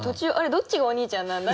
どっちがお兄ちゃんなんだ？